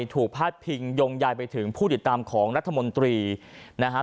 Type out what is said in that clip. พาดพิงยงยายไปถึงผู้ติดตามของรัฐมนตรีนะฮะ